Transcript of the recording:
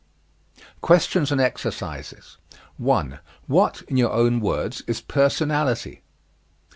QUESTIONS AND EXERCISES 1. What, in your own words, is personality?